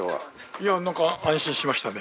いやなんか安心しましたね。